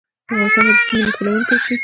افغانستان به د سیمې نښلونکی شي؟